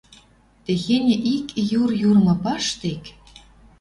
Техеньӹ ик юр юрмы паштек